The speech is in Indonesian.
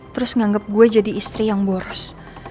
terus nganggap gue jadi istri yang boros